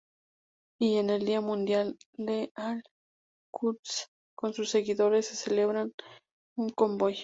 Y en el Día Mundial de Al-Quds con sus seguidores celebran un convoy.